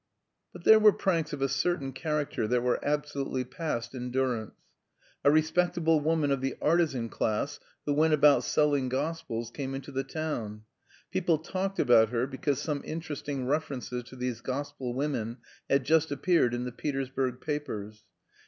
But there were pranks of a certain character that were absolutely past endurance. A respectable woman of the artisan class, who went about selling gospels, came into the town. People talked about her, because some interesting references to these gospel women had just appeared in the Petersburg papers.